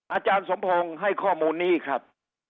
อาจารย์สมพงศ์ให้ข้อมูลนี้ครับ